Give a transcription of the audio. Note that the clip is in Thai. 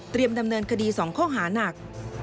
เตรียมดำเนินคดีสองข้อหานัก